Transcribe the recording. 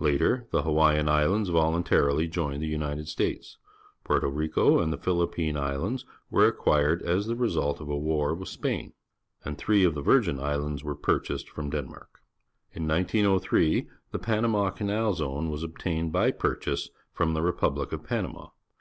Later, the Hawaiian Islands voluntarily joined the L^nited States; Porto Rico and the Philippine IslBnds were acquired as the result of a war witj|Hgin; and three of the Virgin Islands wer^^i^jiased from Denmark. In 1903 the PaiiamoL'anal Zone was obtained by purchase from the republic of Panama.